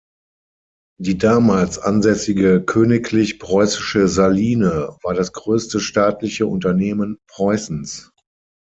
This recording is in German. Die damals ansässige „Königlich Preußische Saline“ war das größte staatliche Unternehmen Preußens.